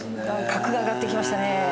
格が上がってきましたね。